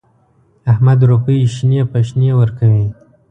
احمد روپۍ شنې په شنې ورکوي.